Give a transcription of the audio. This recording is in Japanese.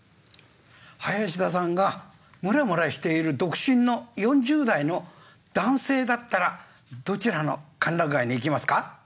林田さんがムラムラしている独身の４０代の男性だったらどちらの歓楽街に行きますか？